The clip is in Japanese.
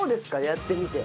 やってみて。